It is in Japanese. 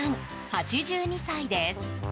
８２歳です。